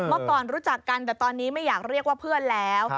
เมื่อก่อนรู้จักกันแต่ตอนนี้ไม่อยากเรียกว่าเพื่อนแล้ว